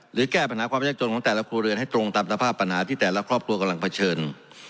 แก้ปัญหาความยากจนของแต่ละครัวเรือนให้ตรงตามสภาพปัญหาที่แต่ละครอบครัวกำลังเผชิญ